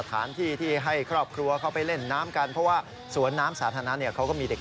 สถานที่ที่ให้ครอบครัวเขาไปเล่นน้ำกันเพราะว่าสวนน้ำสาธารณะเนี่ยเขาก็มีเด็ก